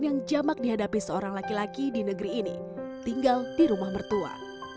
yang jamak dihadapi seorang laki laki di negeri ini tinggal di rumah mertua